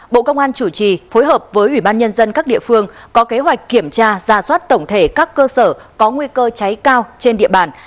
bộ công an chủ trì phối hợp với ủy ban nhân dân các địa phương có kế hoạch kiểm tra ra soát tổng thể các cơ sở có nguy cơ cháy cao trên địa bàn